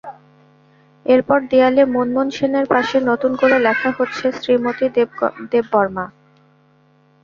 এরপর দেয়ালে মুনমুন সেনের পাশে নতুন করে লেখা হচ্ছে শ্রীমতী দেববর্মা।